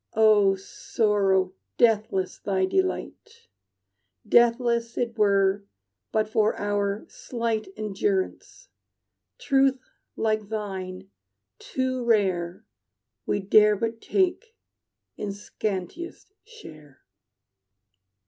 "O Sorrow, deathless thy delight! Deathless it were but for our slight Endurance! Truth like thine, too rare, We dare but take in scantiest share."